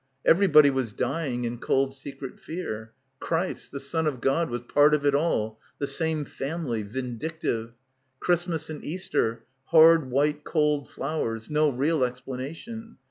Everybody was dying in cold secret fear. Christ, the son of God, was part of it all, the same family ... vindictive. Christmas and Easter, hard white cold flowers, no real explanation.